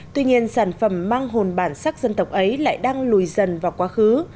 tuy nhiên sản phẩm mang hồn bản sắc dân tộc ấy lại đang lùi dần vào quá khứ